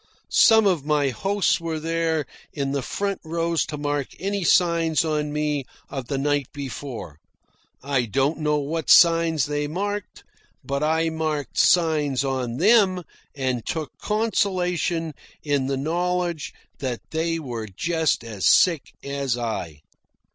Some of my hosts were there in the front rows to mark any signs on me of the night before. I don't know what signs they marked, but I marked signs on them and took consolation in the knowledge that they were just as sick as I.